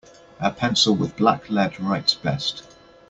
A pencil with black lead writes best.